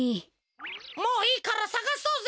もういいからさがそうぜ！